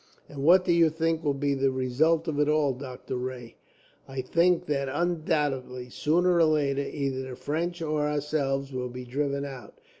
"And what do you think will be the result of it all, Doctor Rae?" "I think that undoubtedly, sooner or later, either the French or ourselves will be driven out.